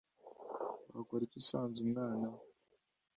wakora iki usanze umwana